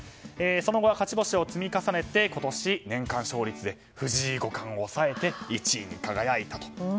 その後は勝ち星を積み重ねて今年、年間勝率で藤井五冠を抑えて１位に輝いたと。